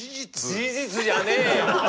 事実じゃねえよ！